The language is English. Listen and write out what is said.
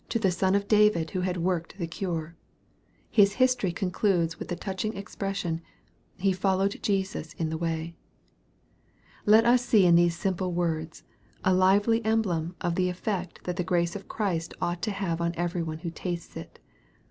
X. 225 the Son of David who had worked the cure, His history concludes with the touching expression, he " followed Jesus in the way." Let us see in these simple words, a lively emblem of the effect that the grace of Christ ought to have on every one who tastes it.